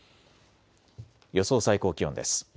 予想最高気温です。